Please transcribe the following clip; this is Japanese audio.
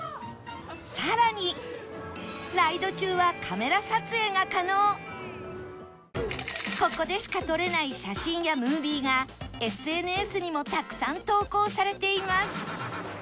さらにライド中はここでしか撮れない写真やムービーが ＳＮＳ にもたくさん投稿されています